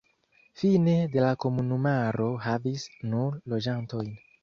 Fine de la komunumaro havis nur loĝantojn.